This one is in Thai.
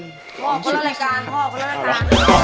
พ่อก็เล่ารายการพ่อก็เล่ารายการ